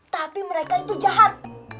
tapi mereka itu jahat